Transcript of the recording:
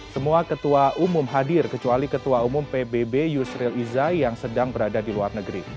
semua ketua umum hadir kecuali ketua umum pbb yusril iza yang sedang berada di luar negeri